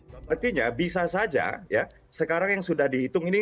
berarti bisa saja sekarang yang sudah dihitung ini